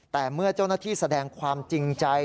แต่เมื่อเจ้าหน้าที่แสดงความจริงใจ